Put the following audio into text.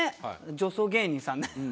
女装芸人さんって。